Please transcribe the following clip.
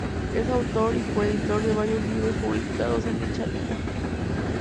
Es autor y co-editor de varios libros publicados en dicha lengua.